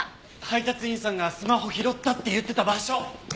配達員さんがスマホ拾ったって言ってた場所！